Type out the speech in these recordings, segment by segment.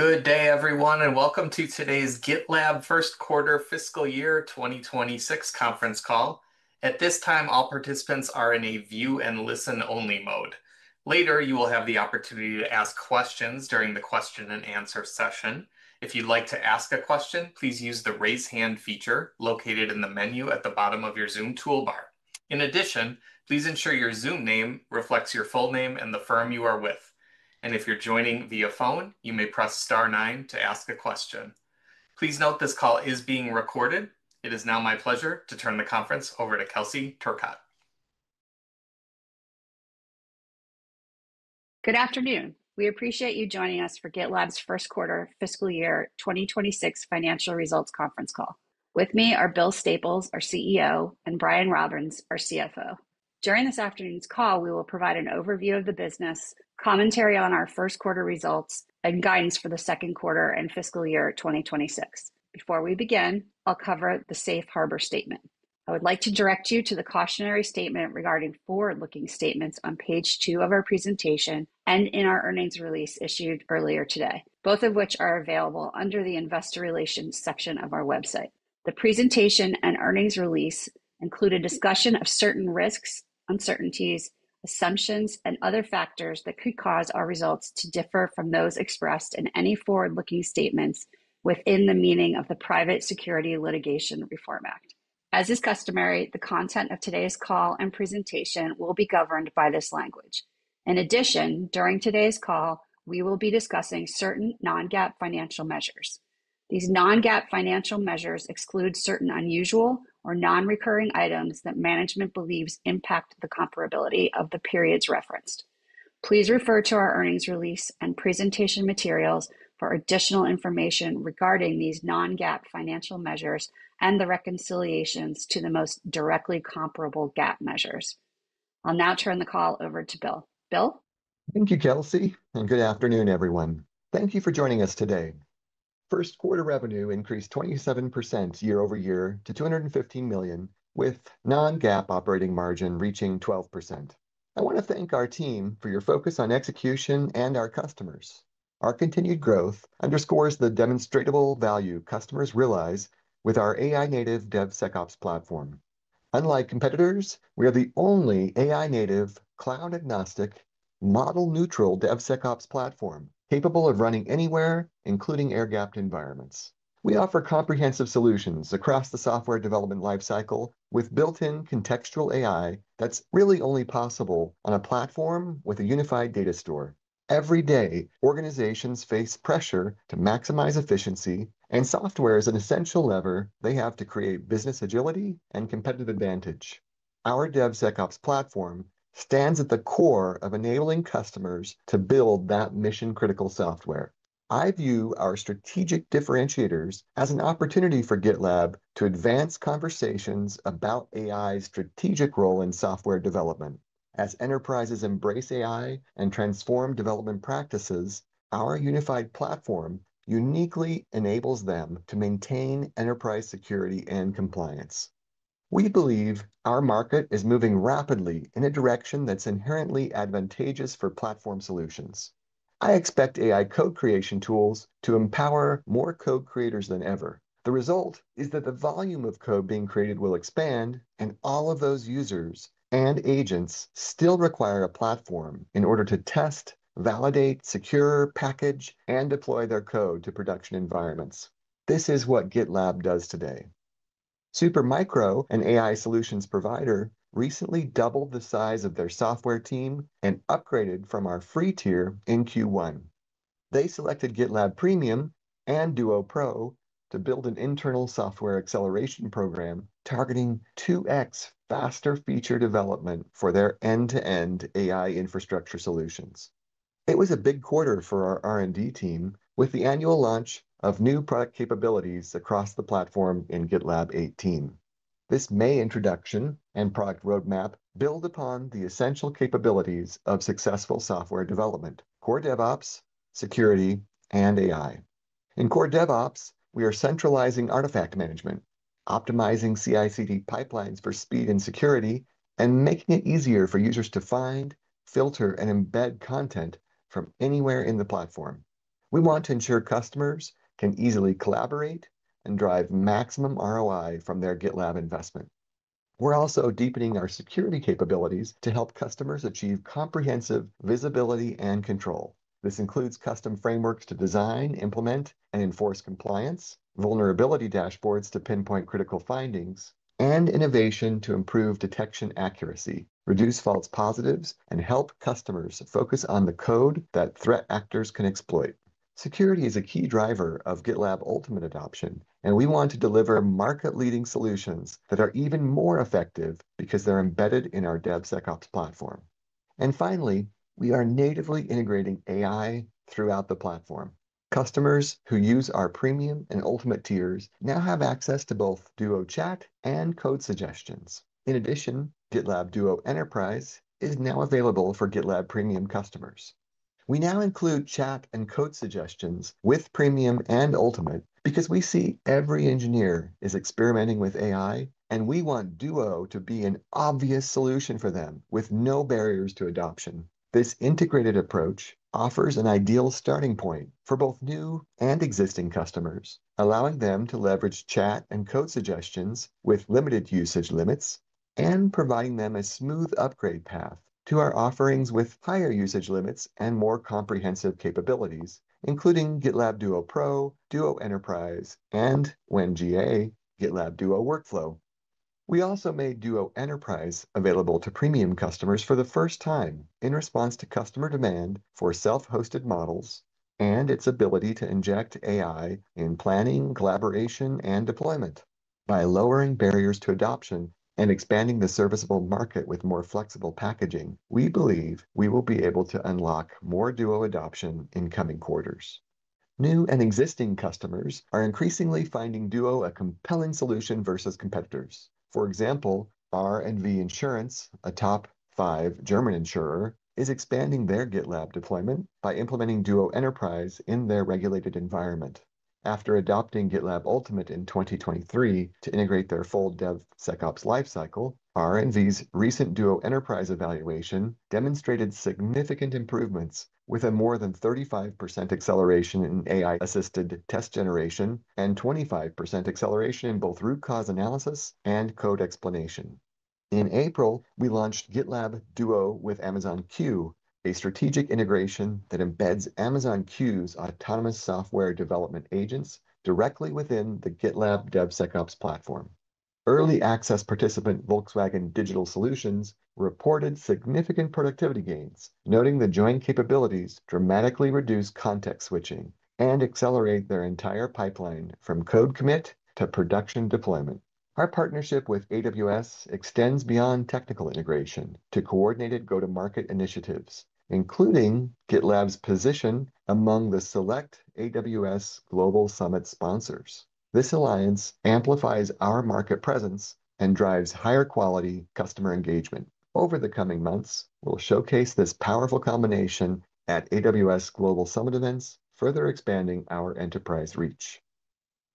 Good day, everyone, and welcome to today's GitLab First Quarter Fiscal Year 2026 conference call. At this time, all participants are in a view-and-listen-only mode. Later, you will have the opportunity to ask questions during the question-and-answer session. If you'd like to ask a question, please use the raise hand feature located in the menu at the bottom of your Zoom toolbar. In addition, please ensure your Zoom name reflects your full name and the firm you are with. If you're joining via phone, you may press star nine to ask a question. Please note this call is being recorded. It is now my pleasure to turn the conference over to Kelsey Turcotte. Good afternoon. We appreciate you joining us for GitLab's First Quarter Fiscal Year 2026 financial results conference call. With me are Bill Staples, our CEO, and Brian Robbins, our CFO. During this afternoon's call, we will provide an overview of the business, commentary on our first quarter results, and guidance for the second quarter and fiscal year 2026. Before we begin, I'll cover the Safe Harbor statement. I would like to direct you to the cautionary statement regarding forward-looking statements on page two of our presentation and in our earnings release issued earlier today, both of which are available under the investor relations section of our website. The presentation and earnings release include a discussion of certain risks, uncertainties, assumptions, and other factors that could cause our results to differ from those expressed in any forward-looking statements within the meaning of the Private Securities Litigation Reform Act. As is customary, the content of today's call and presentation will be governed by this language. In addition, during today's call, we will be discussing certain non-GAAP financial measures. These non-GAAP financial measures exclude certain unusual or non-recurring items that management believes impact the comparability of the periods referenced. Please refer to our earnings release and presentation materials for additional information regarding these non-GAAP financial measures and the reconciliations to the most directly comparable GAAP measures. I'll now turn the call over to Bill. Bill. Thank you, Kelsey, and good afternoon, everyone. Thank you for joining us today. First quarter revenue increased 27% year-over-year to $215 million, with non-GAAP operating margin reaching 12%. I want to thank our team for your focus on execution and our customers. Our continued growth underscores the demonstrable value customers realize with our AI-native DevSecOps platform. Unlike competitors, we are the only AI-native cloud-agnostic model-neutral DevSecOps platform capable of running anywhere, including air-gapped environments. We offer comprehensive solutions across the software development lifecycle with built-in contextual AI that's really only possible on a platform with a unified data store. Every day, organizations face pressure to maximize efficiency, and software is an essential lever they have to create business agility and competitive advantage. Our DevSecOps platform stands at the core of enabling customers to build that mission-critical software. I view our strategic differentiators as an opportunity for GitLab to advance conversations about AI's strategic role in software development. As enterprises embrace AI and transform development practices, our unified platform uniquely enables them to maintain Enterprise security and compliance. We believe our market is moving rapidly in a direction that's inherently advantageous for platform solutions. I expect AI code creation tools to empower more code creators than ever. The result is that the volume of code being created will expand, and all of those users and agents still require a platform in order to test, validate, secure, package, and deploy their code to production environments. This is what GitLab does today. Supermicro, an AI solutions provider, recently doubled the size of their software team and upgraded from our free tier in Q1. They selected GitLab Premium and Duo Pro to build an internal software acceleration program targeting 2x faster feature development for their end-to-end AI infrastructure solutions. It was a big quarter for our R&D team with the annual launch of new product capabilities across the platform in GitLab 18. This May introduction and product roadmap build upon the essential capabilities of successful software development: core DevOps, security, and AI. In core DevOps, we are centralizing artifact management, optimizing CI/CD pipelines for speed and security, and making it easier for users to find, filter, and embed content from anywhere in the platform. We want to ensure customers can easily collaborate and drive maximum ROI from their GitLab investment. We're also deepening our security capabilities to help customers achieve comprehensive visibility and control. This includes custom frameworks to design, implement, and enforce compliance, vulnerability dashboards to pinpoint critical findings, and innovation to improve detection accuracy, reduce false positives, and help customers focus on the code that threat actors can exploit. Security is a key driver of GitLab Ultimate adoption, and we want to deliver market-leading solutions that are even more effective because they are embedded in our DevSecOps platform. Finally, we are natively integrating AI throughout the platform. Customers who use our Premium and Ultimate tiers now have access to both Duo Chat and code suggestions. In addition, GitLab Duo Enterprise is now available for GitLab Premium customers. We now include chat and code suggestions with Premium and Ultimate because we see every engineer is experimenting with AI, and we want Duo to be an obvious solution for them with no barriers to adoption. This integrated approach offers an ideal starting point for both new and existing customers, allowing them to leverage chat and code suggestions with limited usage limits and providing them a smooth upgrade path to our offerings with higher usage limits and more comprehensive capabilities, including GitLab Duo Pro, Duo Enterprise, and when GA GitLab Duo Workflow. We also made Duo Enterprise available to Premium customers for the first time in response to customer demand for self-hosted models and its ability to inject AI in planning, collaboration, and deployment. By lowering barriers to adoption and expanding the serviceable market with more flexible packaging, we believe we will be able to unlock more Duo adoption in coming quarters. New and existing customers are increasingly finding Duo a compelling solution versus competitors. For example, R+V Versicherung, a top five German insurer, is expanding their GitLab deployment by implementing Duo Enterprise in their regulated environment. After adopting GitLab Ultimate in 2023 to integrate their full DevSecOps lifecycle, R+V's recent Duo Enterprise evaluation demonstrated significant improvements with a more than 35% acceleration in AI-assisted test generation and 25% acceleration in both root cause analysis and code explanation. In April, we launched GitLab Duo with Amazon Q, a strategic integration that embeds Amazon Q's autonomous software development agents directly within the GitLab DevSecOps platform. Early access participant Volkswagen Digital Solutions reported significant productivity gains, noting the joint capabilities dramatically reduce context switching and accelerate their entire pipeline from code commit to production deployment. Our partnership with AWS extends beyond technical integration to coordinated go-to-market initiatives, including GitLab's position among the select AWS Global Summit sponsors. This alliance amplifies our market presence and drives higher quality customer engagement. Over the coming months, we'll showcase this powerful combination at AWS Global Summit events, further expanding our Enterprise reach.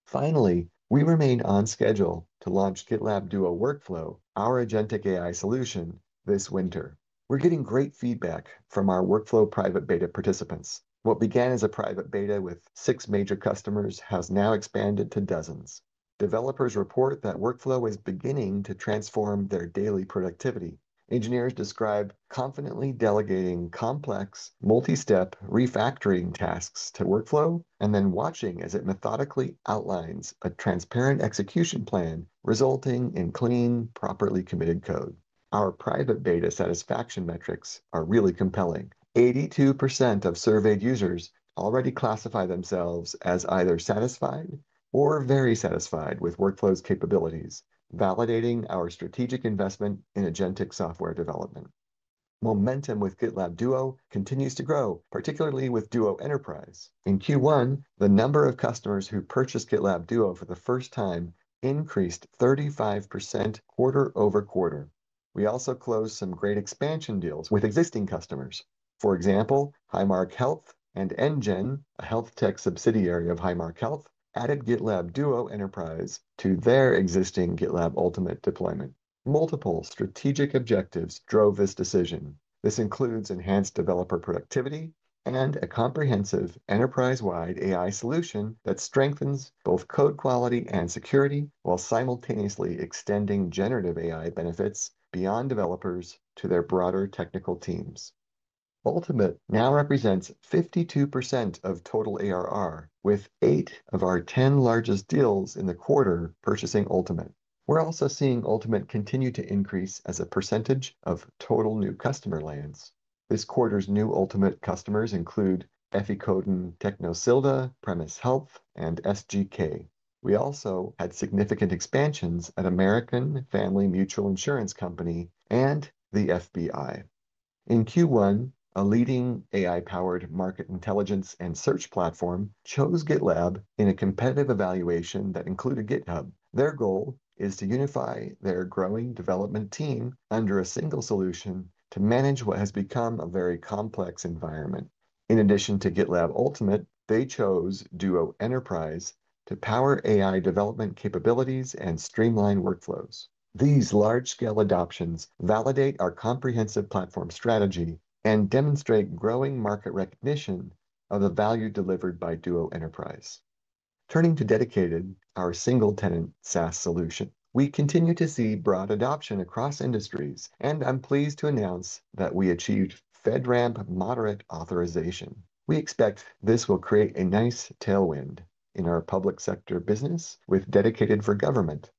Finally, we remain on schedule to launch GitLab Duo Workflow, our Agentic AI solution, this winter. We're getting great feedback from our Workflow private beta participants. What began as a private beta with six major customers has now expanded to dozens. Developers report that Workflow is beginning to transform their daily productivity. Engineers describe confidently delegating complex, multi-step refactoring tasks to Workflow and then watching as it methodically outlines a transparent execution plan, resulting in clean, properly committed code. Our private beta satisfaction metrics are really compelling. 82% of surveyed users already classify themselves as either satisfied or very satisfied with Workflow's capabilities, validating our strategic investment in agentic software development. Momentum with GitLab Duo continues to grow, particularly with Duo Enterprise. In Q1, the number of customers who purchased GitLab Duo for the first time increased 35% quarter over quarter. We also closed some great expansion deals with existing customers. For example, Highmark Health and NGen, a health tech subsidiary of Highmark Health, added GitLab Duo Enterprise to their existing GitLab Ultimate deployment. Multiple strategic objectives drove this decision. This includes enhanced developer productivity and a comprehensive Enterprise-wide AI solution that strengthens both code quality and security while simultaneously extending generative AI benefits beyond developers to their broader technical teams. Ultimate now represents 52% of total ARR, with eight of our 10 largest deals in the quarter purchasing Ultimate. We are also seeing Ultimate continue to increase as a percentage of total new customer lands. This quarter's new Ultimate customers include EffyCode, TechnoSilda, Premise Health, and SGK. We also had significant expansions at American Family Mutual Insurance Company and the FBI. In Q1, a leading AI-powered market intelligence and search platform chose GitLab in a competitive evaluation that included GitHub. Their goal is to unify their growing development team under a single solution to manage what has become a very complex environment. In addition to GitLab Ultimate, they chose Duo Enterprise to power AI development capabilities and streamline workflows. These large-scale adoptions validate our comprehensive platform strategy and demonstrate growing market recognition of the value delivered by Duo Enterprise. Turning to Dedicated, our single-tenant SaaS solution, we continue to see broad adoption across industries, and I'm pleased to announce that we achieved FedRAMP moderate authorization. We expect this will create a nice tailwind in our public sector business with Dedicated for government.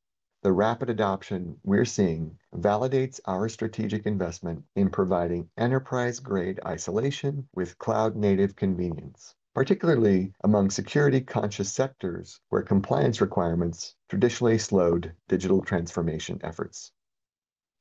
The rapid adoption we're seeing validates our strategic investment in providing Enterprise-grade isolation with cloud-native convenience, particularly among security-conscious sectors where compliance requirements traditionally slowed digital transformation efforts.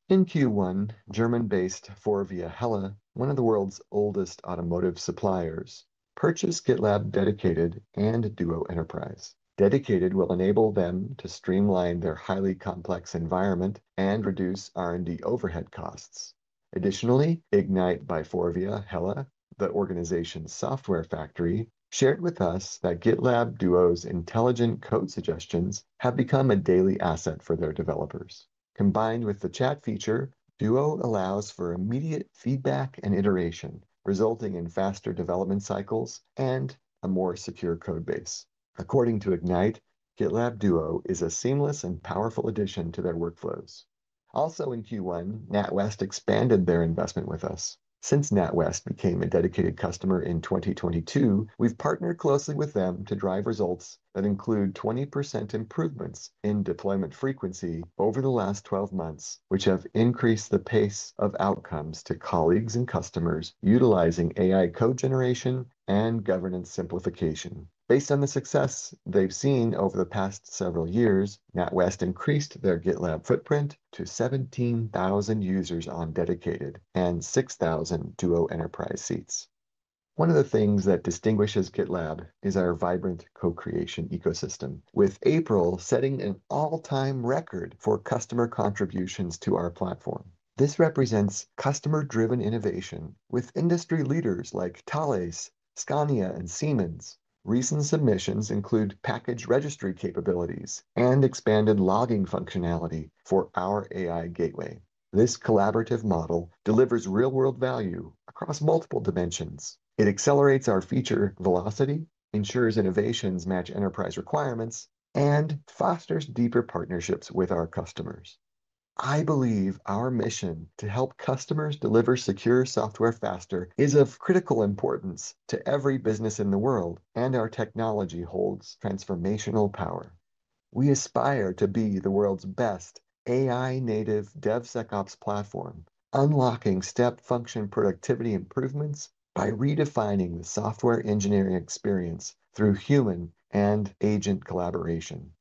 In Q1, German-based Forvia Hella, one of the world's oldest automotive suppliers, purchased GitLab Dedicated and Duo Enterprise. Dedicated will enable them to streamline their highly complex environment and reduce R&D overhead costs. Additionally, Ignite by Forvia Hella, the organization's software factory, shared with us that GitLab Duo's intelligent code suggestions have become a daily asset for their developers. Combined with the chat feature, Duo allows for immediate feedback and iteration, resulting in faster development cycles and a more secure code base. According to Ignite, GitLab Duo is a seamless and powerful addition to their workflows. Also in Q1, NatWest expanded their investment with us. Since NatWest became a Dedicated customer in 2022, we've partnered closely with them to drive results that include 20% improvements in deployment frequency over the last 12 months, which have increased the pace of outcomes to colleagues and customers utilizing AI code generation and governance simplification. Based on the success they've seen over the past several years, NatWest increased their GitLab footprint to 17,000 users on Dedicated and 6,000 Duo Enterprise seats. One of the things that distinguishes GitLab is our vibrant co-creation ecosystem, with April setting an all-time record for customer contributions to our platform. This represents customer-driven innovation with industry leaders like Thales, Scania, and Siemens. Recent submissions include package registry capabilities and expanded logging functionality for our AI gateway. This collaborative model delivers real-world value across multiple dimensions. It accelerates our feature velocity, ensures innovations match Enterprise requirements, and fosters deeper partnerships with our customers. I believe our mission to help customers deliver secure software faster is of critical importance to every business in the world, and our technology holds transformational power. We aspire to be the world's best AI-native DevSecOps platform, unlocking step-function productivity improvements by redefining the software engineering experience through human and agent collaboration.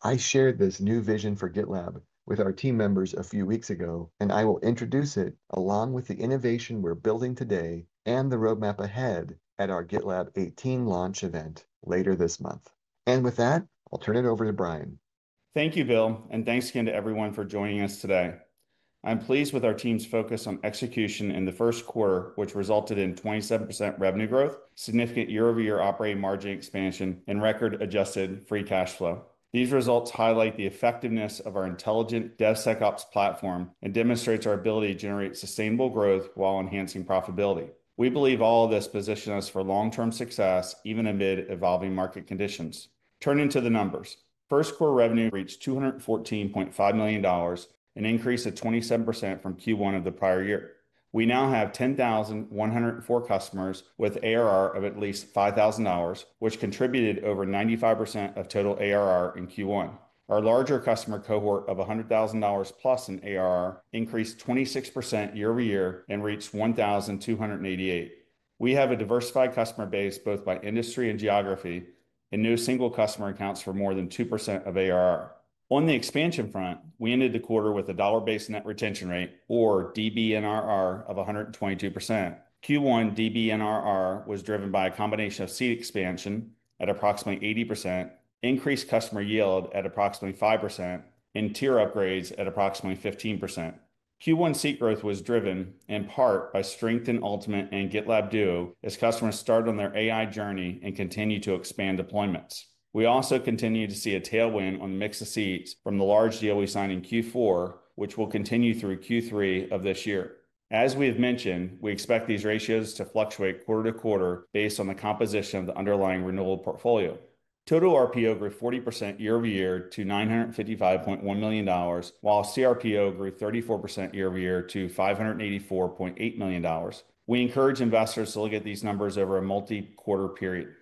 I shared this new vision for GitLab with our team members a few weeks ago, and I will introduce it along with the innovation we're building today and the roadmap ahead at our GitLab 18 launch event later this month. With that, I'll turn it over to Brian. Thank you, Bill, and thanks again to everyone for joining us today. I'm pleased with our team's focus on execution in the first quarter, which resulted in 27% revenue growth, significant year-over-year operating margin expansion, and record-adjusted free cash flow. These results highlight the effectiveness of our intelligent DevSecOps platform and demonstrate our ability to generate sustainable growth while enhancing profitability. We believe all of this positions us for long-term success, even amid evolving market conditions. Turning to the numbers, first quarter revenue reached $214.5 million and increased at 27% from Q1 of the prior year. We now have 10,104 customers with ARR of at least $5,000, which contributed over 95% of total ARR in Q1. Our larger customer cohort of $100,000 plus in ARR increased 26% year-over-year and reached 1,288. We have a diversified customer base both by industry and geography, and no single customer accounts for more than 2% of ARR. On the expansion front, we ended the quarter with a dollar-based net retention rate, or DBNRR, of 122%. Q1 DBNRR was driven by a combination of seat expansion at approximately 80%, increased customer yield at approximately 5%, and tier upgrades at approximately 15%. Q1 seat growth was driven in part by strength in Ultimate and GitLab Duo as customers started on their AI journey and continued to expand deployments. We also continue to see a tailwind on mixed seats from the large deal we signed in Q4, which will continue through Q3 of this year. As we have mentioned, we expect these ratios to fluctuate quarter to quarter based on the composition of the underlying renewal portfolio. Total RPO grew 40% year-over-year to $955.1 million, while CRPO grew 34% year-over-year to $584.8 million. We encourage investors to look at these numbers over a multi-quarter period.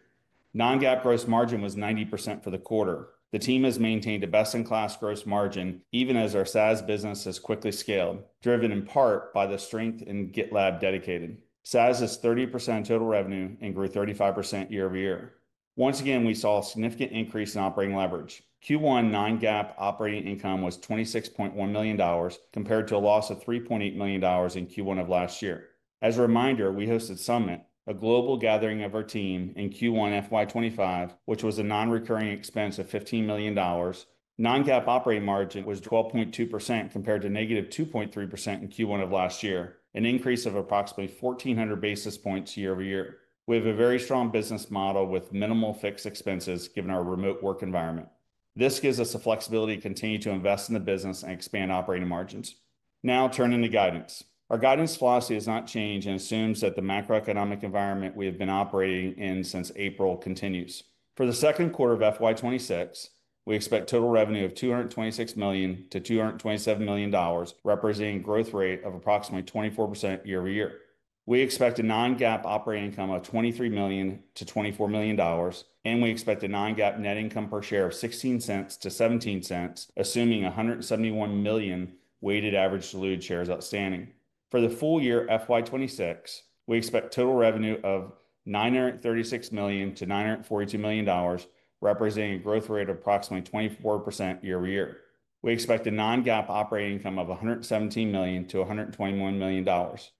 Non-GAAP gross margin was 90% for the quarter. The team has maintained a best-in-class gross margin even as our SaaS business has quickly scaled, driven in part by the strength in GitLab Dedicated. SaaS is 30% total revenue and grew 35% year-over-year. Once again, we saw a significant increase in operating leverage. Q1 non-GAAP operating income was $26.1 million compared to a loss of $3.8 million in Q1 of last year. As a reminder, we hosted Summit, a global gathering of our team in Q1 FY2025, which was a non-recurring expense of $15 million. Non-GAAP operating margin was 12.2% compared to negative 2.3% in Q1 of last year, an increase of approximately 1,400 basis points year-over-year. We have a very strong business model with minimal fixed expenses given our remote work environment. This gives us the flexibility to continue to invest in the business and expand operating margins. Now, turning to guidance. Our guidance philosophy has not changed and assumes that the macroeconomic environment we have been operating in since April continues. For the second quarter of FY26, we expect total revenue of $226 million-$227 million, representing a growth rate of approximately 24% year-over-year. We expect a non-GAAP operating income of $23 million-$24 million, and we expect a non-GAAP net income per share of $0.16-$0.17, assuming 171 million weighted average diluted shares outstanding. For the full year FY26, we expect total revenue of $936 million-$942 million, representing a growth rate of approximately 24% year-over-year. We expect a non-GAAP operating income of $117 million-$121 million,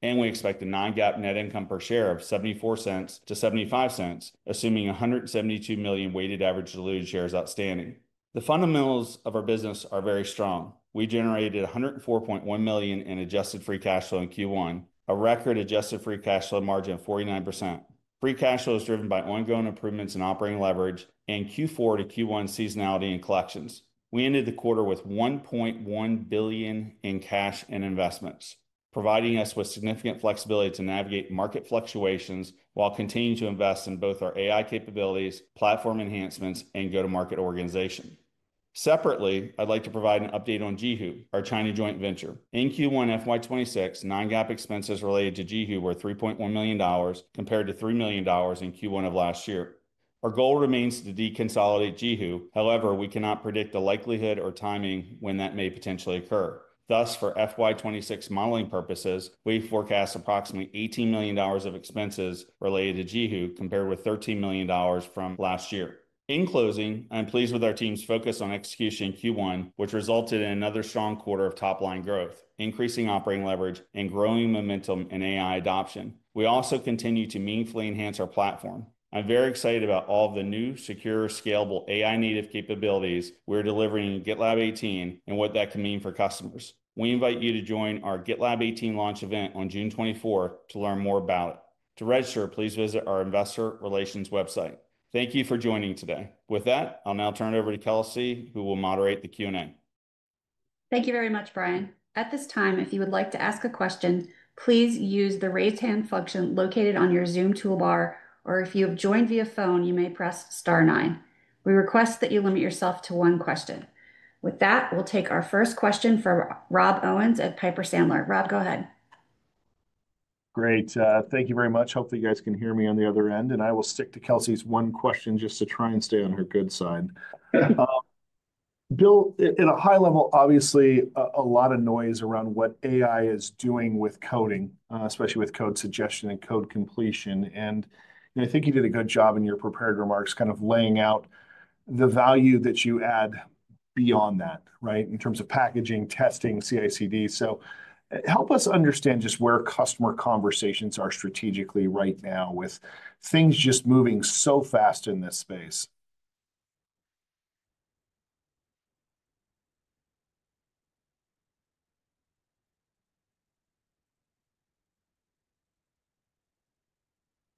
and we expect a non-GAAP net income per share of $0.74-$0.75, assuming 172 million weighted average diluted shares outstanding. The fundamentals of our business are very strong. We generated $104.1 million in adjusted free cash flow in Q1, a record adjusted free cash flow margin of 49%. Free cash flow is driven by ongoing improvements in operating leverage and Q4 to Q1 seasonality and collections. We ended the quarter with $1.1 billion in cash and investments, providing us with significant flexibility to navigate market fluctuations while continuing to invest in both our AI capabilities, platform enhancements, and go-to-market organization. Separately, I'd like to provide an update on Jihu, our China joint venture. In Q1 FY2026, non-GAAP expenses related to Jihu were $3.1 million compared to $3 million in Q1 of last year. Our goal remains to deconsolidate Jihu; however, we cannot predict the likelihood or timing when that may potentially occur. Thus, for FY2026 modeling purposes, we forecast approximately $18 million of expenses related to Jihu compared with $13 million from last year. In closing, I'm pleased with our team's focus on execution in Q1, which resulted in another strong quarter of top-line growth, increasing operating leverage, and growing momentum in AI adoption. We also continue to meaningfully enhance our platform. I'm very excited about all of the new, secure, scalable AI-native capabilities we're delivering in GitLab 18 and what that can mean for customers. We invite you to join our GitLab 18 launch event on June 24 to learn more about it. To register, please visit our investor relations website. Thank you for joining today. With that, I'll now turn it over to Kelsey, who will moderate the Q&A. Thank you very much, Brian. At this time, if you would like to ask a question, please use the raise hand function located on your Zoom toolbar, or if you have joined via phone, you may press star nine. We request that you limit yourself to one question. With that, we'll take our first question from Rob Owens at Piper Sandler. Rob, go ahead. Great. Thank you very much. Hopefully, you guys can hear me on the other end, and I will stick to Kelsey's one question just to try and stay on her good side. Bill, at a high level, obviously, a lot of noise around what AI is doing with coding, especially with code suggestion and code completion. I think you did a good job in your prepared remarks kind of laying out the value that you add beyond that, right, in terms of packaging, testing, CI/CD. Help us understand just where customer conversations are strategically right now with things just moving so fast in this spaceE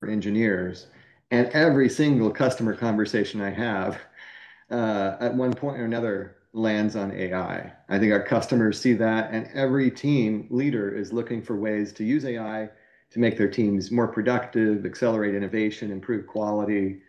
Engineers, and every single customer conversation I have, at one point or another, lands on AI. I think our customers see that, and every team leader is looking for ways to use AI to make their teams more productive, accelerate innovation, improve quality,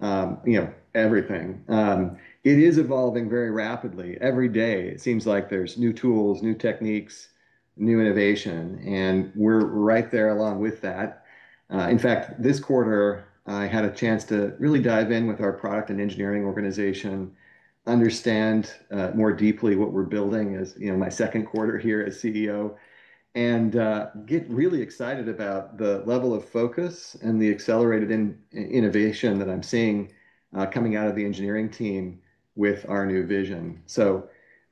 you know, everything. It is evolving very rapidly. Every day, it seems like there's new tools, new techniques, new innovation, and we're right there along with that. In fact, this quarter, I had a chance to really dive in with our product and engineering organization, understand more deeply what we're building as, you know, my second quarter here as CEO, and get really excited about the level of focus and the accelerated innovation that I'm seeing coming out of the engineering team with our new vision.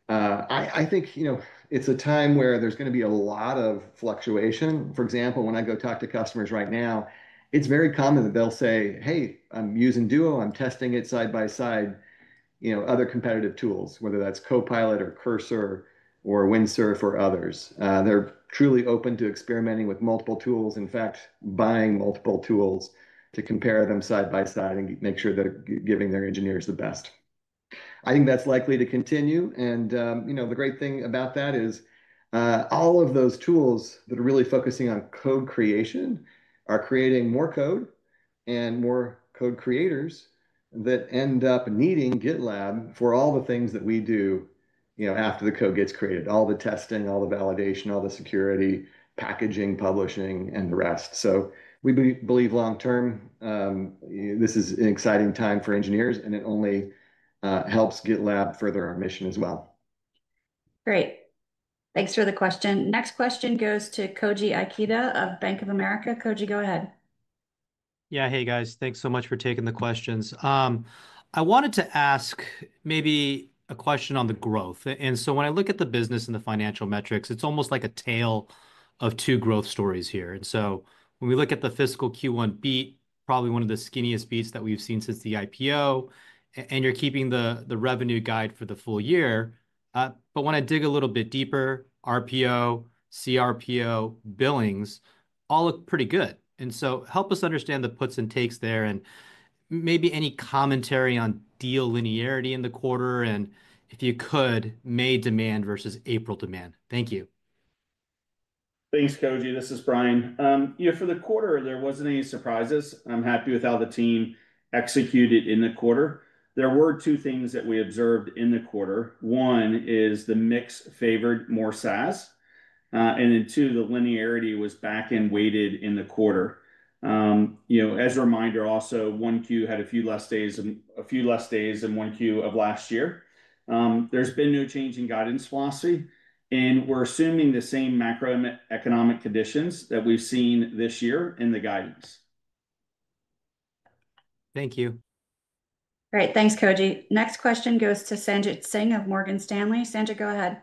I think, you know, it's a time where there's going to be a lot of fluctuation. For example, when I go talk to customers right now, it's very common that they'll say, "Hey, I'm using Duo. I'm testing it side by side, you know, other competitive tools, whether that's Copilot or Cursor or Windsurf or others. They're truly open to experimenting with multiple tools, in fact, buying multiple tools to compare them side by side and make sure they're giving their engineers the best. I think that's likely to continue. You know, the great thing about that is all of those tools that are really focusing on code creation are creating more code and more code creators that end up needing GitLab for all the things that we do, you know, after the code gets created, all the testing, all the validation, all the security, packaging, publishing, and the rest. We believe long-term, this is an exciting time for engineers, and it only helps GitLab further our mission as well. Great. Thanks for the question. Next question goes to Koji Ikeda of Bank of America. Koji, go ahead. Yeah. Hey, guys. Thanks so much for taking the questions. I wanted to ask maybe a question on the growth. And so when I look at the business and the financial metrics, it's almost like a tale of two growth stories here. And so when we look at the fiscal Q1 beat, probably one of the skinniest beats that we've seen since the IPO, and you're keeping the revenue guide for the full year. But when I dig a little bit deeper, RPO, CRPO, billings, all look pretty good. And so help us understand the puts and takes there and maybe any commentary on deal linearity in the quarter and, if you could, May demand versus April demand. Thank you. Thanks, Koji. This is Brian. You know, for the quarter, there wasn't any surprises. I'm happy with how the team executed in the quarter. There were two things that we observed in the quarter. One is the mix favored more SaaS. And then two, the linearity was back and weighted in the quarter. You know, as a reminder, also, one Q had a few less days and a few less days than one Q of last year. There's been no change in guidance philosophy, and we're assuming the same macroeconomic conditions that we've seen this year in the guidance. Thank you. Great. Thanks, Koji. Next question goes to Sanjit Singh of Morgan Stanley. Sanjit, go ahead.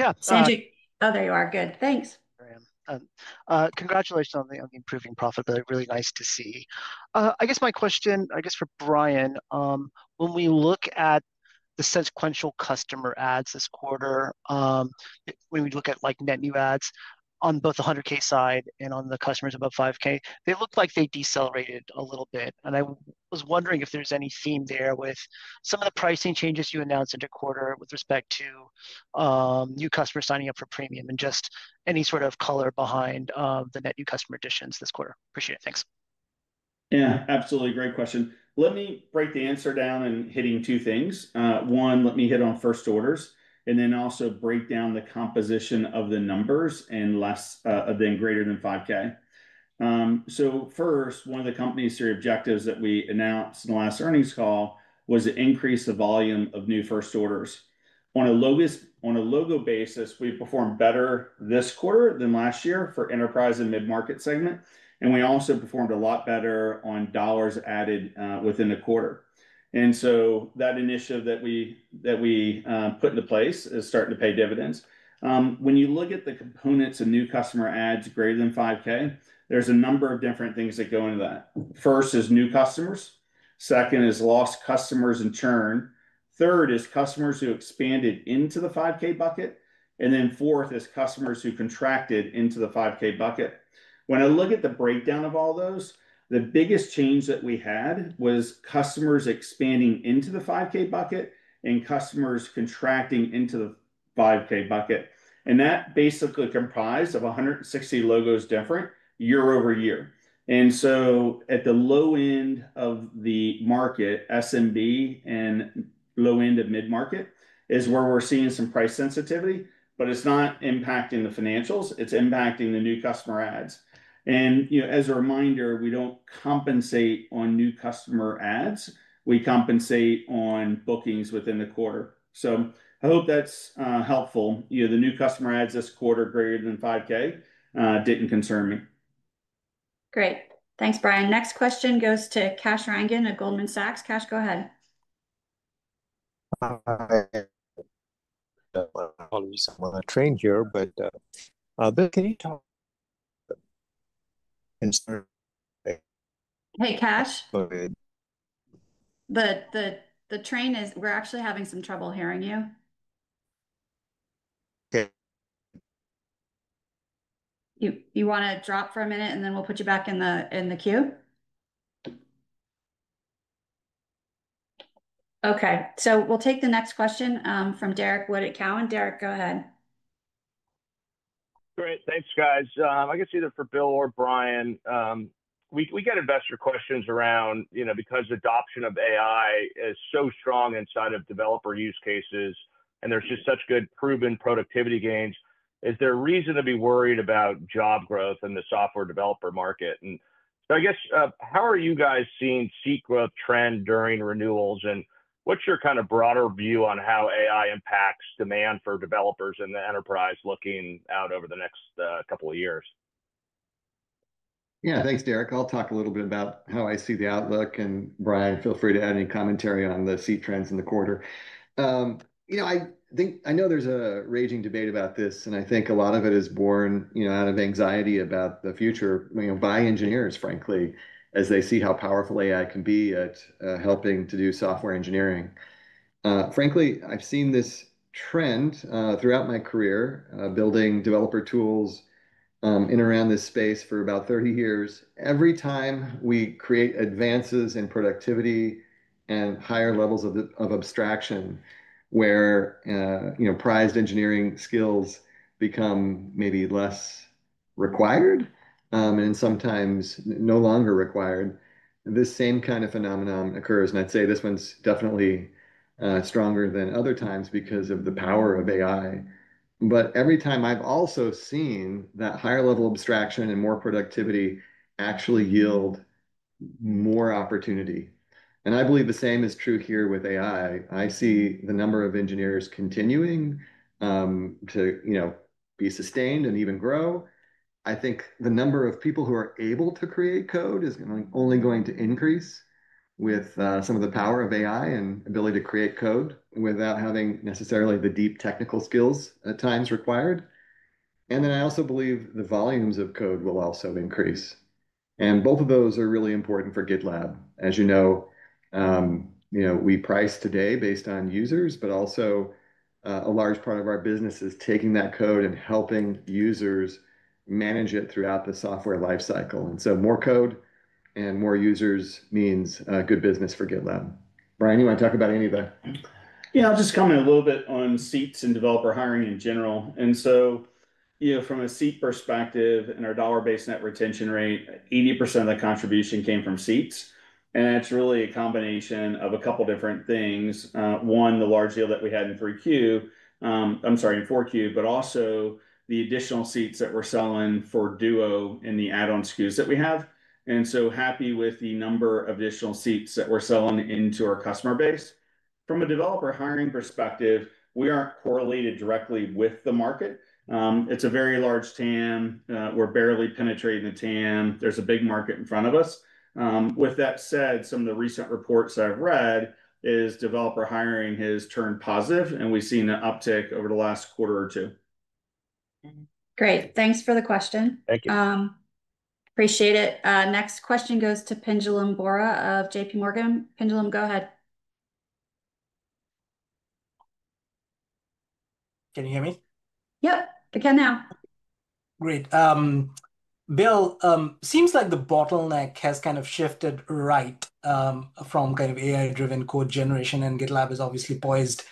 Yeah. Sanjit. Oh, there you are. Good. Thanks. Congratulations on the improving profitability. Really nice to see. I guess my question, I guess for Brian, when we look at the sequential customer ads this quarter, when we look at like net new adds on both the $100,000 side and on the customers above $5,000, they look like they decelerated a little bit. And I was wondering if there's any theme there with some of the pricing changes you announced into quarter with respect to new customers signing up for Premium and just any sort of color behind the net new customer additions this quarter. Appreciate it. Thanks. Yeah. Absolutely. Great question. Let me break the answer down and hitting two things. One, let me hit on first orders and then also break down the composition of the numbers and less than greater than $5,000. One of the company's three objectives that we announced in the last earnings call was to increase the volume of new first orders. On a logo basis, we performed better this quarter than last year for Enterprise and mid-market segment. We also performed a lot better on dollars added within the quarter. That initiative that we put into place is starting to pay dividends. When you look at the components of new customer ads greater than $5,000, there are a number of different things that go into that. First is new customers. Second is lost customers in turn. Third is customers who expanded into the $5,000 bucket. Fourth is customers who contracted into the $5,000 bucket. When I look at the breakdown of all those, the biggest change that we had was customers expanding into the $5,000 bucket and customers contracting into the $5,000 bucket. That basically comprised of 160 logos different year over year. At the low end of the market, SMB and low end of mid-market is where we're seeing some price sensitivity, but it's not impacting the financials. It's impacting the new customer ads. You know, as a reminder, we don't compensate on new customer ads. We compensate on bookings within the quarter. I hope that's helpful. You know, the new customer ads this quarter greater than $5,000 didn't concern me. Great. Thanks, Brian. Next question goes to Kash Rangan at Goldman Sachs. Kash, go ahead. I'm a train here, but Bill, can you talk? Hey, Kash. The train is we're actually having some trouble hearing you. Okay. You want to drop for a minute, and then we'll put you back in the queue? Okay. We'll take the next question from Derrick Wood at Cowen. Derrick, go ahead. Great. Thanks, guys. I guess either for Bill or Brian, we get investor questions around, you know, because adoption of AI is so strong inside of developer use cases, and there's just such good proven productivity gains. Is there a reason to be worried about job growth in the software developer market? I guess, how are you guys seeing seat growth trend during renewals? What's your kind of broader view on how AI impacts demand for developers in the Enterprise looking out over the next couple of years? Yeah. Thanks, Derrick. I'll talk a little bit about how I see the outlook. Brian, feel free to add any commentary on the seat trends in the quarter. You know, I think I know there's a raging debate about this, and I think a lot of it is born, you know, out of anxiety about the future, you know, by engineers, frankly, as they see how powerful AI can be at helping to do software engineering. Frankly, I've seen this trend throughout my career, building developer tools in around this space for about 30 years. Every time we create advances in productivity and higher levels of abstraction where, you know, prized engineering skills become maybe less required and sometimes no longer required, this same kind of phenomenon occurs. I'd say this one's definitely stronger than other times because of the power of AI. Every time I've also seen that higher level of abstraction and more productivity actually yield more opportunity. I believe the same is true here with AI. I see the number of engineers continuing to, you know, be sustained and even grow. I think the number of people who are able to create code is only going to increase with some of the power of AI and ability to create code without having necessarily the deep technical skills at times required. I also believe the volumes of code will also increase. Both of those are really important for GitLab. As you know, you know, we price today based on users, but also a large part of our business is taking that code and helping users manage it throughout the software lifecycle. More code and more users means good business for GitLab. Brian, you want to talk about any of that? Yeah. I'll just comment a little bit on seats and developer hiring in general. From a seat perspective and our dollar-based net retention rate, 80% of the contribution came from seats. It's really a combination of a couple of different things. One, the large deal that we had in Q3, I'm sorry, in Q4, but also the additional seats that we're selling for Duo in the add-on SKUs that we have. Happy with the number of additional seats that we're selling into our customer base. From a developer hiring perspective, we aren't correlated directly with the market. It's a very large TAM. We're barely penetrating the TAM. There's a big market in front of us. With that said, some of the recent reports I've read is developer hiring has turned positive, and we've seen an uptick over the last quarter or two. Great. Thanks for the question. Thank you. Appreciate it. Next question goes to Pinjalim Bora of JPMorgan. Pinjalim, go ahead. Can you hear me? Yep. I can now. Great. Bill, it seems like the bottleneck has kind of shifted right from kind of AI-driven code generation, and GitLab is obviously poised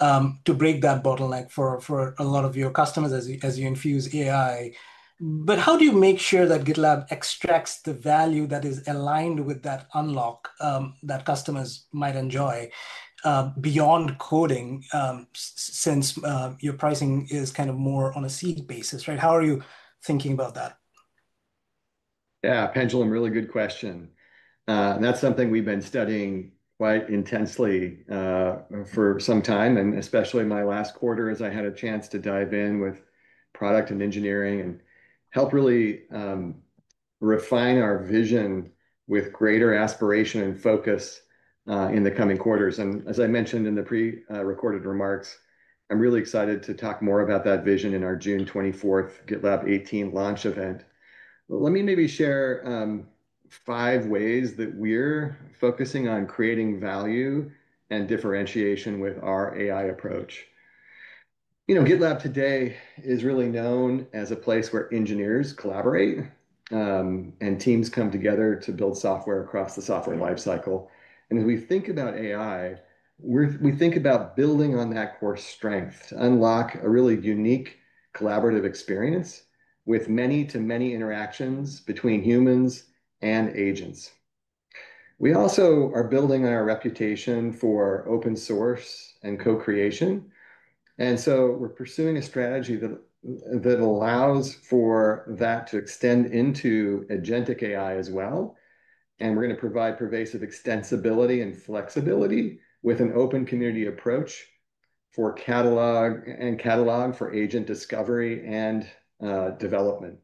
to break that bottleneck for a lot of your customers as you infuse AI. But how do you make sure that GitLab extracts the value that is aligned with that unlock that customers might enjoy beyond coding since your pricing is kind of more on a seat basis, right? How are you thinking about that? Yeah. Pinjalim, really good question. That's something we've been studying quite intensely for some time, and especially my last quarter as I had a chance to dive in with product and engineering and help really refine our vision with greater aspiration and focus in the coming quarters. As I mentioned in the pre-recorded remarks, I'm really excited to talk more about that vision in our June 24th GitLab 18 launch event. Let me maybe share five ways that we're focusing on creating value and differentiation with our AI approach. You know, GitLab today is really known as a place where engineers collaborate and teams come together to build software across the software lifecycle. As we think about AI, we think about building on that core strength to unlock a really unique collaborative experience with many-to-many interactions between humans and agents. We also are building on our reputation for open source and co-creation. We are pursuing a strategy that allows for that to extend into agentic AI as well. We are going to provide pervasive extensibility and flexibility with an open community approach for catalog and catalog for agent discovery and development.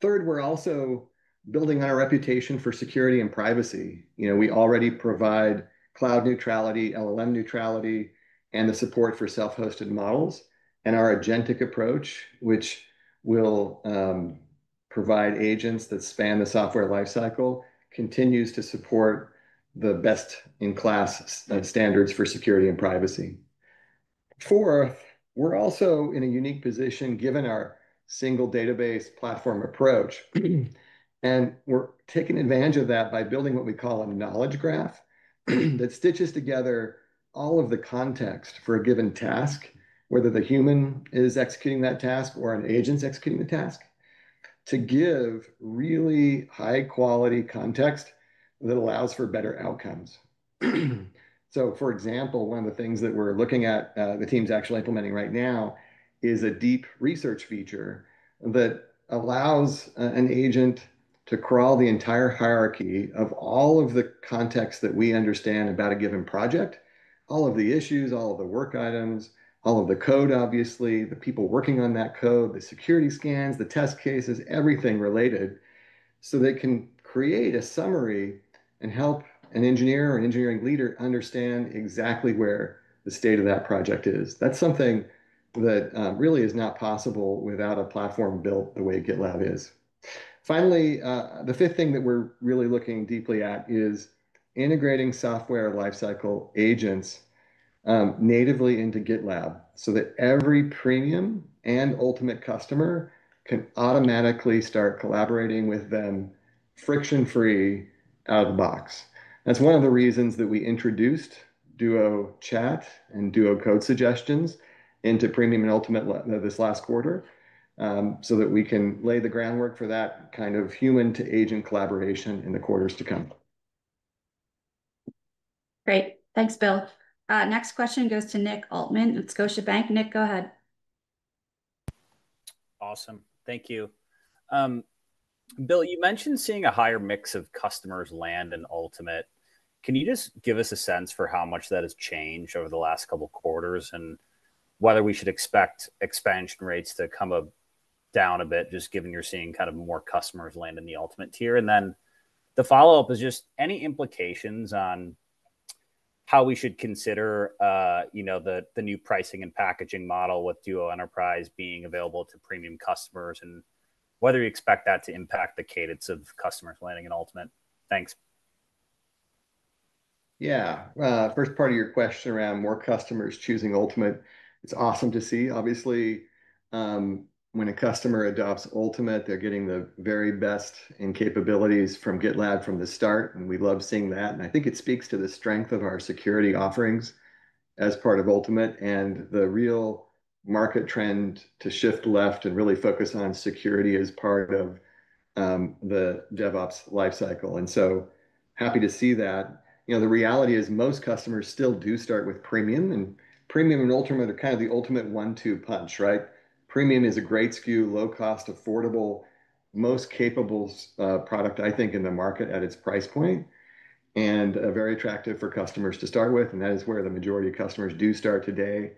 Third, we are also building on our reputation for security and privacy. You know, we already provide cloud neutrality, LLM neutrality, and the support for self-hosted models. Our agentic approach, which will provide agents that span the software lifecycle, continues to support the best-in-class standards for security and privacy. Fourth, we are also in a unique position given our single database platform approach. We are taking advantage of that by building what we call a knowledge graph that stitches together all of the context for a given task, whether the human is executing that task or an agent is executing the task, to give really high-quality context that allows for better outcomes. For example, one of the things that we're looking at, the team's actually implementing right now, is a deep research feature that allows an agent to crawl the entire hierarchy of all of the context that we understand about a given project, all of the issues, all of the work items, all of the code, obviously, the people working on that code, the security scans, the test cases, everything related, so they can create a summary and help an engineer or an engineering leader understand exactly where the state of that project is. That's something that really is not possible without a platform built the way GitLab is. Finally, the fifth thing that we're really looking deeply at is integrating software lifecycle agents natively into GitLab so that every Premium and Ultimate customer can automatically start collaborating with them friction-free out of the box. That's one of the reasons that we introduced Duo Chat and Duo Code Suggestions into Premium and Ultimate this last quarter so that we can lay the groundwork for that kind of human-to-agent collaboration in the quarters to come. Great. Thanks, Bill. Next question goes to Nick Altman at Scotiabank. Nick, go ahead. Awesome. Thank you. Bill, you mentioned seeing a higher mix of customers land in Ultimate. Can you just give us a sense for how much that has changed over the last couple of quarters and whether we should expect expansion rates to come down a bit, just given you're seeing kind of more customers land in the Ultimate tier? And then the follow-up is just any implications on how we should consider, you know, the new pricing and packaging model with Duo Enterprise being available to Premium customers and whether you expect that to impact the cadence of customers landing in Ultimate? Thanks. Yeah. First part of your question around more customers choosing Ultimate, it's awesome to see. Obviously, when a customer adopts Ultimate, they're getting the very best in capabilities from GitLab from the start. And we love seeing that. I think it speaks to the strength of our security offerings as part of Ultimate and the real market trend to shift left and really focus on security as part of the DevOps lifecycle. Happy to see that. You know, the reality is most customers still do start with Premium. And Premium and Ultimate are kind of the Ultimate one-two punch, right? Premium is a great SKU, low-cost, affordable, most capable product, I think, in the market at its price point and very attractive for customers to start with. That is where the majority of customers do start today.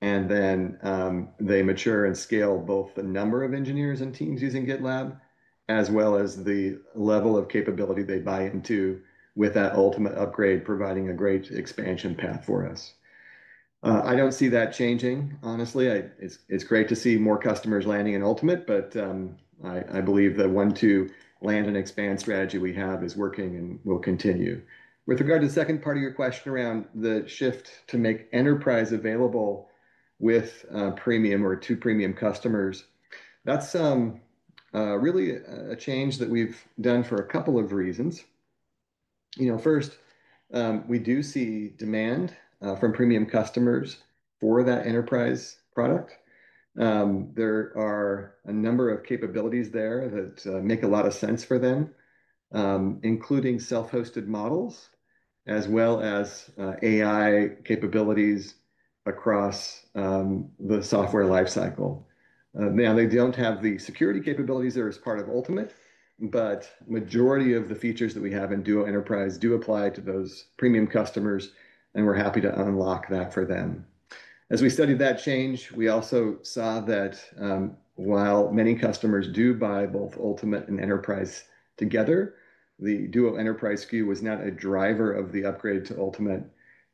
They mature and scale both the number of engineers and teams using GitLab as well as the level of capability they buy into with that Ultimate upgrade, providing a great expansion path for us. I do not see that changing, honestly. It is great to see more customers landing in Ultimate, but I believe the one-two land and expand strategy we have is working and will continue. With regard to the second part of your question around the shift to make Enterprise available with Premium or to Premium customers, that is really a change that we have done for a couple of reasons. You know, first, we do see demand from Premium customers for that enterprise product. There are a number of capabilities there that make a lot of sense for them, including self-hosted models as well as AI capabilities across the software lifecycle. Now, they do not have the security capabilities that are as part of Ultimate, but the majority of the features that we have in Duo Enterprise do apply to those Premium customers, and we are happy to unlock that for them. As we studied that change, we also saw that while many customers do buy both Ultimate and Enterprise together, the Duo Enterprise SKU was not a driver of the upgrade to Ultimate,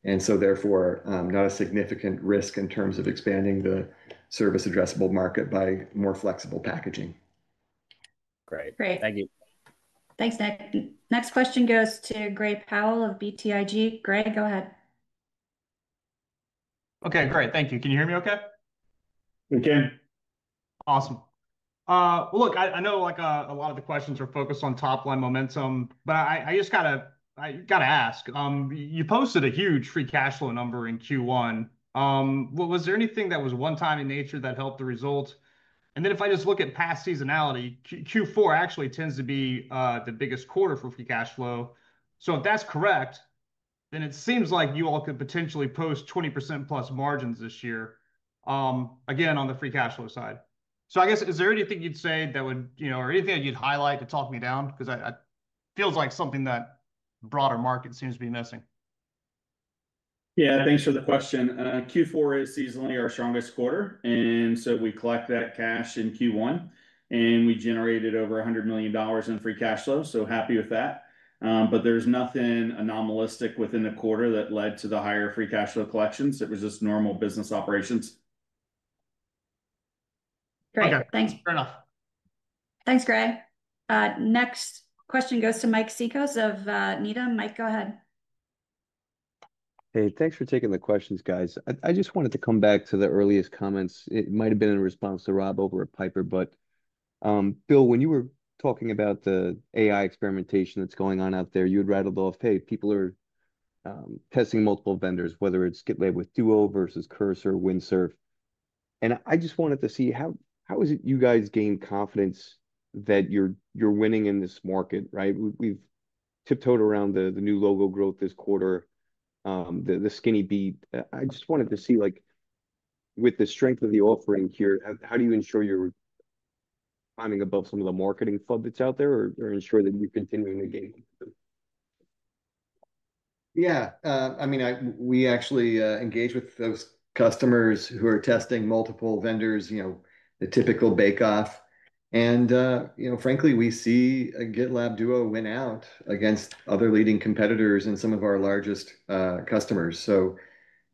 and so therefore not a significant risk in terms of expanding the service addressable market by more flexible packaging. Great. Great. Thank you. Thanks, Nick. Next question goes to Gray Powell of BTIG. Gray, go ahead. Okay. Great. Thank you. Can you hear me okay? We can. Awesome. Look, I know like a lot of the questions are focused on top-line momentum, but I just got to ask. You posted a huge free cash flow number in Q1. Was there anything that was one-time in nature that helped the result? If I just look at past seasonality, Q4 actually tends to be the biggest quarter for free cash flow. If that's correct, then it seems like you all could potentially post 20%+ margins this year, again, on the free cash flow side. I guess, is there anything you'd say that would, you know, or anything that you'd highlight to talk me down? Because it feels like something that broader market seems to be missing. Yeah. Thanks for the question. Q4 is seasonally our strongest quarter. We collected that cash in Q1, and we generated over $100 million in free cash flow. I am happy with that. There is nothing anomalous within the quarter that led to the higher free cash flow collections. It was just normal business operations. Great. Thanks, Brian. Thanks, Gray. Next question goes to Mike Cikos of Needham. Mike, go ahead. Hey, thanks for taking the questions, guys. I just wanted to come back to the earliest comments. It might have been in response to Rob over at Piper, but Bill, when you were talking about the AI experimentation that is going on out there, you had rattled off, "Hey, people are testing multiple vendors, whether it is GitLab with Duo versus Cursor or Windsurf." I just wanted to see how you guys gained confidence that you are winning in this market, right? We've tiptoed around the new logo growth this quarter, the skinny beat. I just wanted to see, with the strength of the offering here, how do you ensure you're climbing above some of the marketing flood that's out there or ensure that you're continuing to gain? Yeah. I mean, we actually engage with those customers who are testing multiple vendors, you know, the typical bake-off. And, you know, frankly, we see GitLab Duo win out against other leading competitors and some of our largest customers. So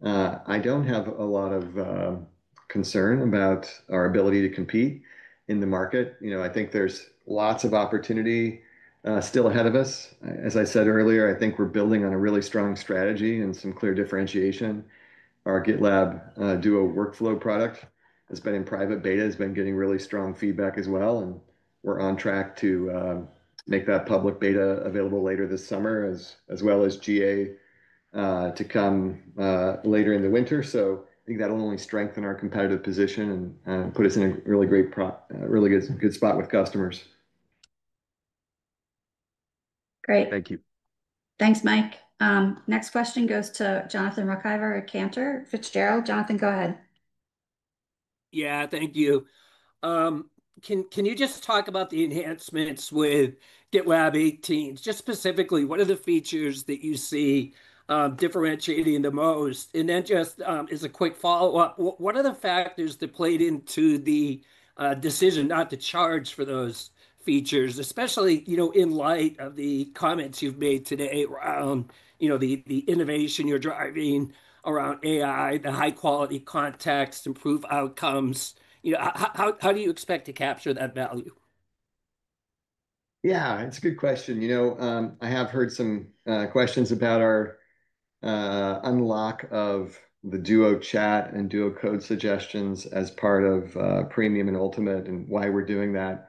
I don't have a lot of concern about our ability to compete in the market. You know, I think there's lots of opportunity still ahead of us. As I said earlier, I think we're building on a really strong strategy and some clear differentiation. Our GitLab Duo Workflow product has been in private beta, has been getting really strong feedback as well. We're on track to make that public beta available later this summer, as well as GA to come later in the winter. I think that'll only strengthen our competitive position and put us in a really great, really good spot with customers. Great. Thank you. Thanks, Mike. Next question goes to Jonathan Ruykhaver at Cantor Fitzgerald. Jonathan, go ahead. Yeah. Thank you. Can you just talk about the enhancements with GitLab 18? Just specifically, what are the features that you see differentiating the most? And then just as a quick follow-up, what are the factors that played into the decision not to charge for those features, especially, you know, in light of the comments you've made today around, you know, the innovation you're driving around AI, the high-quality context, improve outcomes? You know, how do you expect to capture that value? Yeah. It's a good question. You know, I have heard some questions about our unlock of the Duo Chat and Duo Code Suggestions as part of Premium and Ultimate and why we're doing that.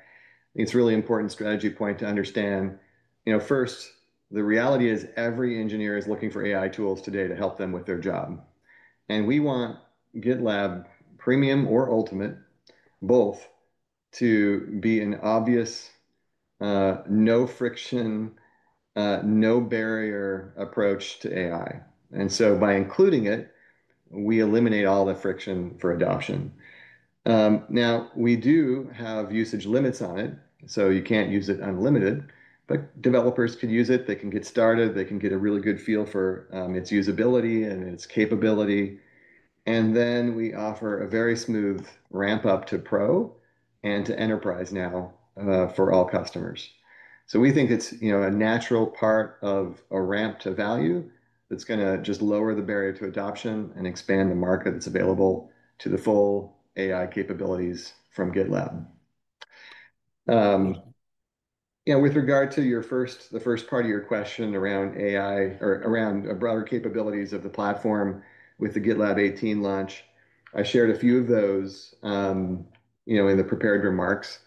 It's a really important strategy point to understand. You know, first, the reality is every engineer is looking for AI tools today to help them with their job. And we want GitLab, Premium or Ultimate, both to be an obvious, no friction, no barrier approach to AI. By including it, we eliminate all the friction for adoption. Now, we do have usage limits on it, so you can't use it unlimited, but developers can use it. They can get started. They can get a really good feel for its usability and its capability. We offer a very smooth ramp-up to Pro and to Enterprise now for all customers. We think it's, you know, a natural part of a ramp to value that's going to just lower the barrier to adoption and expand the market that's available to the full AI capabilities from GitLab. You know, with regard to your first, the first part of your question around AI or around broader capabilities of the platform with the GitLab 18 launch, I shared a few of those, you know, in the prepared remarks,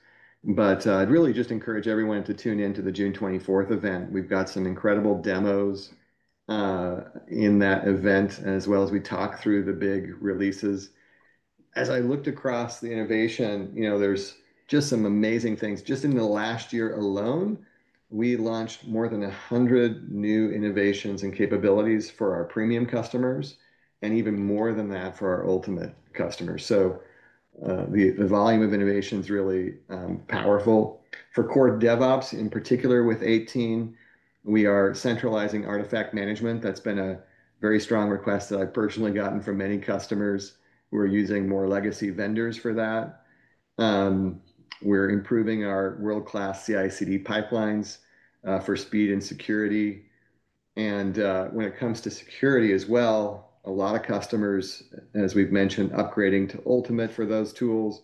but I'd really just encourage everyone to tune into the June 24th event. We've got some incredible demos in that event as well as we talk through the big releases. As I looked across the innovation, you know, there's just some amazing things. Just in the last year alone, we launched more than 100 new innovations and capabilities for our Premium customers and even more than that for our Ultimate customers. The volume of innovation is really powerful. For core DevOps, in particular with 18, we are centralizing artifact management. That has been a very strong request that I have personally gotten from many customers who are using more legacy vendors for that. We are improving our world-class CI/CD pipelines for speed and security. When it comes to security as well, a lot of customers, as we have mentioned, are upgrading to Ultimate for those tools.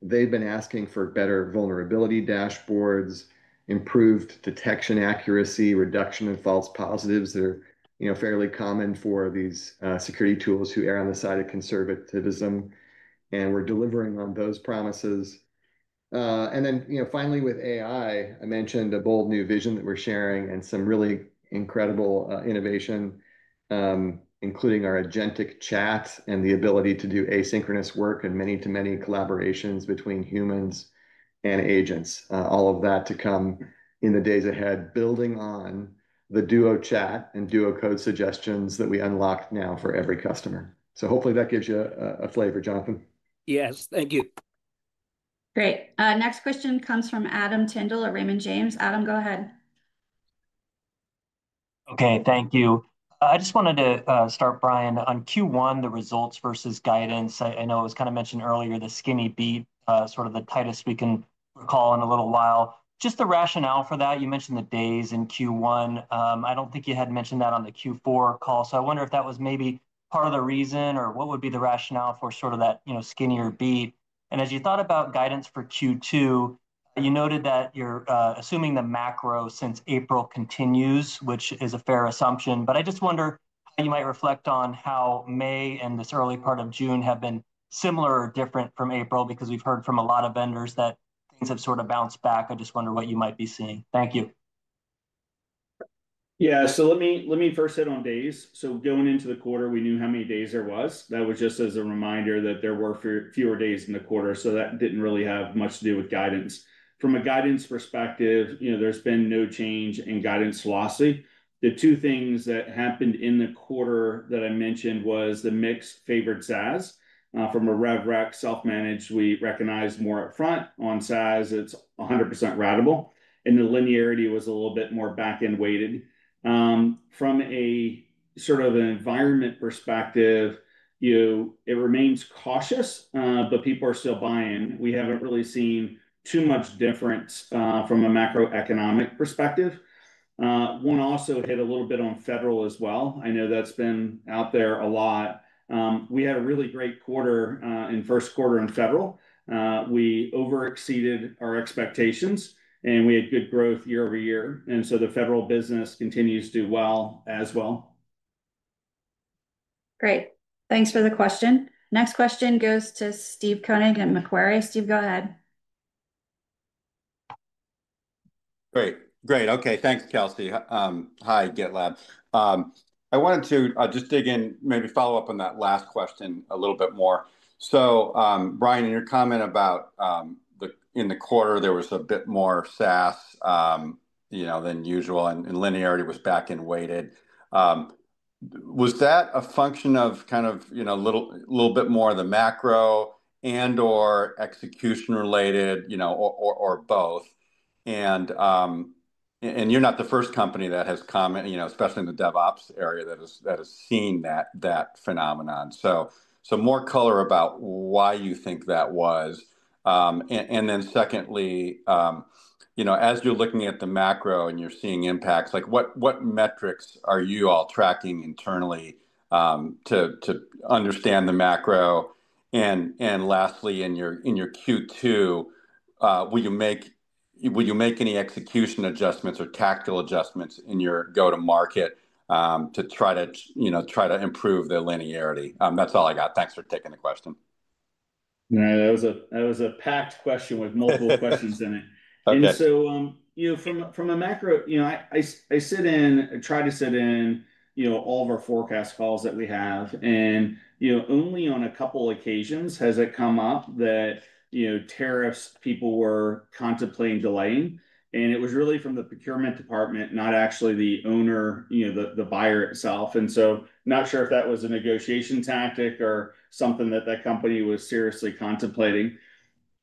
They have been asking for better vulnerability dashboards, improved detection accuracy, reduction in false positives that are, you know, fairly common for these security tools who err on the side of conservatism. We are delivering on those promises. Then, you know, finally with AI, I mentioned a bold new vision that we are sharing and some really incredible innovation, including our agentic chat and the ability to do asynchronous work and many-to-many collaborations between humans and agents. All of that to come in the days ahead, building on the Duo Chat and Duo Code Suggestions that we unlock now for every customer. Hopefully that gives you a flavor, Jonathan. Yes. Thank you. Great. Next question comes from Adam Tindle at Raymond James. Adam, go ahead. Okay. Thank you. I just wanted to start, Brian, on Q1, the results versus guidance. I know it was kind of mentioned earlier, the skinny beat, sort of the tightest we can recall in a little while. Just the rationale for that, you mentioned the days in Q1. I do not think you had mentioned that on the Q4 call. I wonder if that was maybe part of the reason or what would be the rationale for sort of that, you know, skinnier beat. As you thought about guidance for Q2, you noted that you're assuming the macro since April continues, which is a fair assumption. I just wonder how you might reflect on how May and this early part of June have been similar or different from April because we've heard from a lot of vendors that things have sort of bounced back. I just wonder what you might be seeing. Thank you. Yeah. Let me first hit on days. Going into the quarter, we knew how many days there was. That was just as a reminder that there were fewer days in the quarter. That didn't really have much to do with guidance. From a guidance perspective, you know, there's been no change in guidance philosophy. The two things that happened in the quarter that I mentioned was the mix favored SaaS. From a red rack, self-managed, we recognize more upfront on SaaS, it's 100% routable. The linearity was a little bit more back-end weighted. From a sort of an environment perspective, you know, it remains cautious, but people are still buying. We haven't really seen too much difference from a macroeconomic perspective. One also hit a little bit on federal as well. I know that's been out there a lot. We had a really great quarter in first quarter in federal. We overexceeded our expectations, and we had good growth year over year. The federal business continues to do well as well. Great. Thanks for the question. Next question goes to Steve Koenig at Macquarie. Steve, go ahead. Great. Okay. Thanks, Kelsey. Hi, GitLab. I wanted to just dig in, maybe follow up on that last question a little bit more. Brian, in your comment about in the quarter, there was a bit more SaaS, you know, than usual, and linearity was back and weighted. Was that a function of kind of, you know, a little bit more of the macro and/or execution related, you know, or both? You're not the first company that has comment, you know, especially in the DevOps area that has seen that phenomenon. More color about why you think that was. Then secondly, you know, as you're looking at the macro and you're seeing impacts, like what metrics are you all tracking internally to understand the macro? Lastly, in your Q2, will you make any execution adjustments or tactical adjustments in your go-to-market to try to, you know, try to improve the linearity? That's all I got. Thanks for taking the question. Yeah. That was a packed question with multiple questions in it. And so, you know, from a macro, you know, I sit in, try to sit in, you know, all of our forecast calls that we have. And, you know, only on a couple of occasions has it come up that, you know, tariffs people were contemplating delaying. And it was really from the procurement department, not actually the owner, you know, the buyer itself. And so not sure if that was a negotiation tactic or something that that company was seriously contemplating.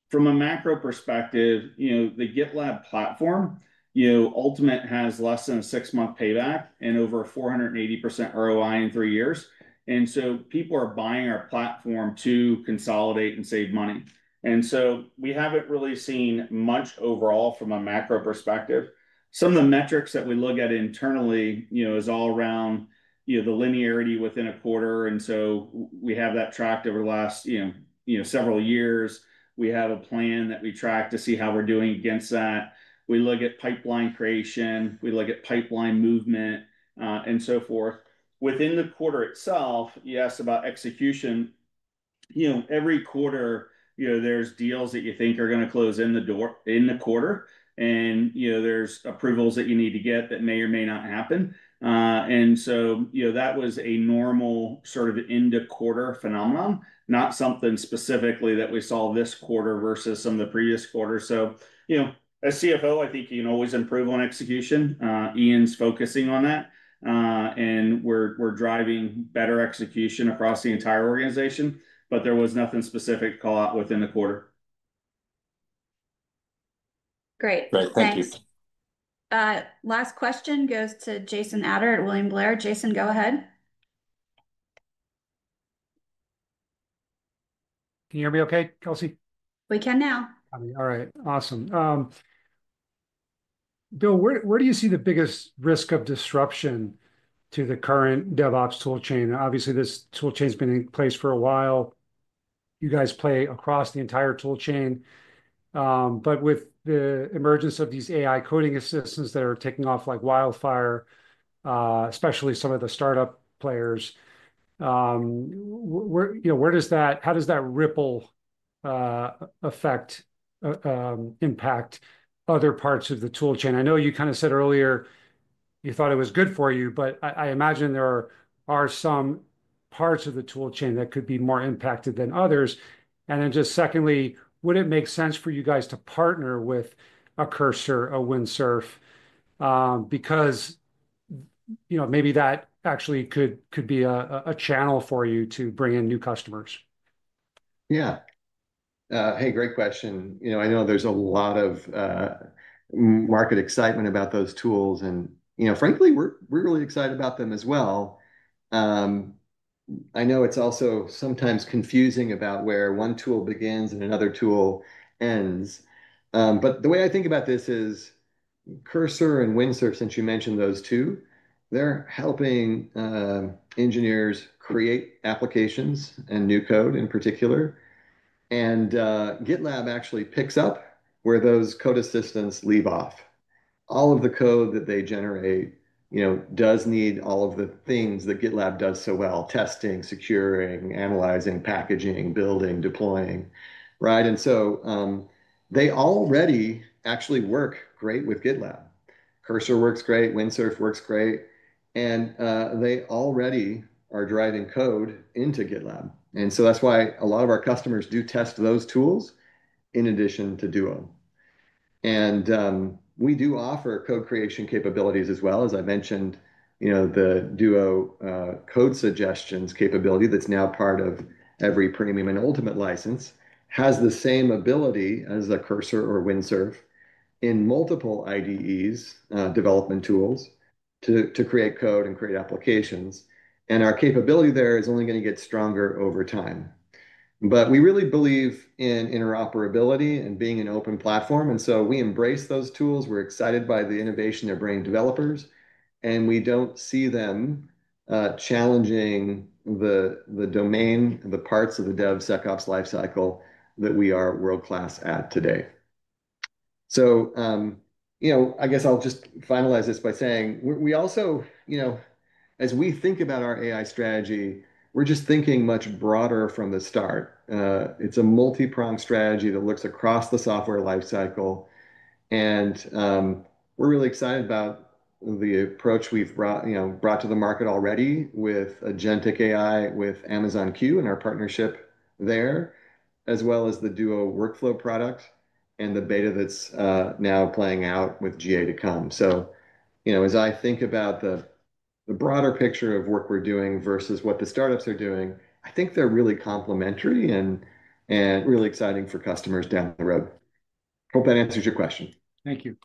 From a macro perspective, you know, the GitLab platform, you know, Ultimate has less than a six-month payback and over 480% ROI in three years. And so people are buying our platform to consolidate and save money. And so we have not really seen much overall from a macro perspective. Some of the metrics that we look at internally, you know, is all around, you know, the linearity within a quarter. We have that tracked over the last, you know, several years. We have a plan that we track to see how we're doing against that. We look at pipeline creation. We look at pipeline movement and so forth. Within the quarter itself, you asked about execution. Every quarter, you know, there's deals that you think are going to close in the quarter. You know, there's approvals that you need to get that may or may not happen. That was a normal sort of end-of-quarter phenomenon, not something specifically that we saw this quarter versus some of the previous quarters. As CFO, I think you can always improve on execution. Ian's focusing on that. We're driving better execution across the entire organization, but there was nothing specific to call out within the quarter. Great. Thank you. Last question goes to Jason Ader at William Blair. Jason, go ahead. Can you hear me okay, Kelsey? We can now. All right. Awesome. Bill, where do you see the biggest risk of disruption to the current DevOps toolchain? Obviously, this toolchain has been in place for a while. You guys play across the entire toolchain. With the emergence of these AI coding assistants that are taking off like wildfire, especially some of the startup players, you know, where does that, how does that ripple effect impact other parts of the toolchain? I know you kind of said earlier you thought it was good for you, but I imagine there are some parts of the toolchain that could be more impacted than others. Just secondly, would it make sense for you guys to partner with a Cursor, a Windsurf, because, you know, maybe that actually could be a channel for you to bring in new customers? Yeah. Hey, great question. You know, I know there is a lot of market excitement about those tools. And, you know, frankly, we are really excited about them as well. I know it is also sometimes confusing about where one tool begins and another tool ends. The way I think about this is Cursor and Windsurf, since you mentioned those two, they are helping engineers create applications and new code in particular. GitLab actually picks up where those code assistants leave off. All of the code that they generate, you know, does need all of the things that GitLab does so well: testing, securing, analyzing, packaging, building, deploying, right? They already actually work great with GitLab. Cursor works great. Windsurf works great. They already are driving code into GitLab. That is why a lot of our customers do test those tools in addition to Duo. We do offer code creation capabilities as well. As I mentioned, you know, the Duo Code Suggestions capability that is now part of every Premium and Ultimate license has the same ability as a Cursor or Windsurf in multiple IDEs, development tools to create code and create applications. Our capability there is only going to get stronger over time. We really believe in interoperability and being an open platform. We embrace those tools. We are excited by the innovation they are bringing developers. We do not see them challenging the domain and the parts of the DevSecOps lifecycle that we are world-class at today. So, you know, I guess I'll just finalize this by saying we also, you know, as we think about our AI strategy, we're just thinking much broader from the start. It's a multi-pronged strategy that looks across the software lifecycle. And we're really excited about the approach we've brought, you know, brought to the market already with Agentic AI with Amazon Q and our partnership there, as well as the Duo Workflow product and the beta that's now playing out with GA to come. So, you know, as I think about the broader picture of work we're doing versus what the startups are doing, I think they're really complementary and really exciting for customers down the road. Hope that answers your question. Thank you.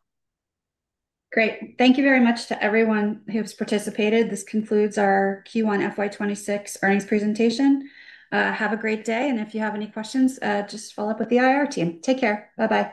Great. Thank you very much to everyone who's participated. This concludes our Q1 FY26 earnings presentation. Have a great day. If you have any questions, just follow up with the IR team. Take care. Bye-bye.